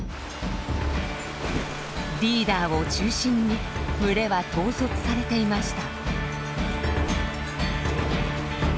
リーダーを中心に群れは統率されていました。